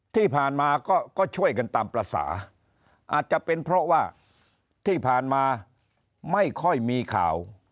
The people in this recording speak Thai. ที่ผ่านมาก็ช่วยกันตามภาษาอาจจะเป็นเพราะว่าที่ผ่านมาไม่ค่อยมีข่าว